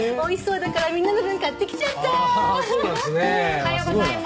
おはようございます。